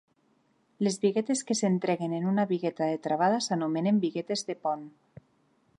Les biguetes que s'entreguen en una bigueta de travada s'anomenen biguetes de pont.